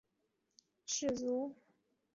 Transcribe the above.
种子岛氏是日本九州地区的一个氏族。